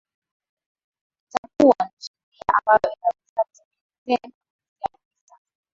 itakuwa ni sheria ambayo inaweza kutekelezeka kuanzia hivi sasa